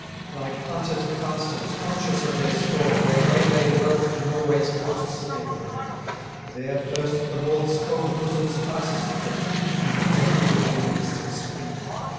25 Like hunted castors, conscious of their store, Their waylaid wealth to Norway's coasts they bring: There first the north's cold bosom spices bore, And winter brooded on the eastern spring.